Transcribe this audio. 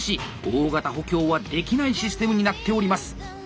大型補強はできないシステムになっております。